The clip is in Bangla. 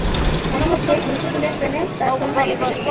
মনে হচ্ছে, ইয়ুচি বুলেট ট্রেনে তার ফোন হারিয়ে ফেলেছে।